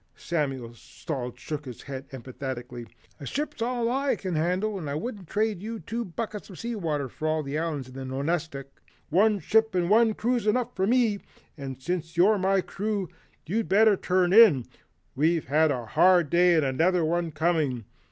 Samuel Salt shook his head emphatically. "A ship's all I can handle and I wouldn't trade you two buckets of sea water for all the islands in the Nonestic. One ship and one crew's enough for me, and since you're my crew, you'd better turn in we've had a hard day and another one coming.